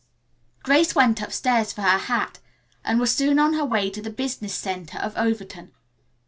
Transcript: Grace went upstairs for her hat and was soon on her way to the business center of Overton.